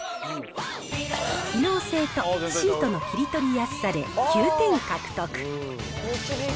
機能性とシートの切り取りやすさで９点獲得。